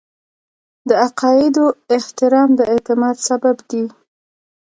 د عقایدو احترام د اعتماد سبب دی.